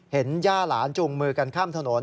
ย่าหลานจูงมือกันข้ามถนน